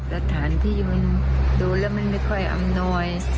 สถานที่มันดูแล้วมันไม่ค่อยอำนวย